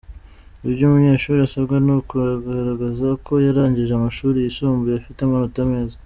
Ibyo umunyeshuri asabwa ni ukugaragaza ko yarangije amashuri yisumbuye afite amanota meza.